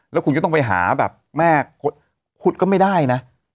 แล้วคุณก็ต้องไปหาแบบแม่ขุดก็ไม่ได้นะ